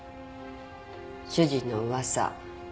主人の噂。